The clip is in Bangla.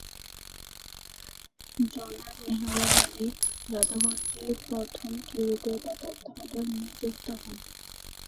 জনাব মেহরাব আলী জাদুঘরটির প্রথম কিউরেটর বা তত্ত্বাবধায়ক নিযুক্ত হোন।